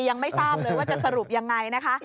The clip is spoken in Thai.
ยังไม่ทราบเลยว่าจะสรุปยังไงนะคะ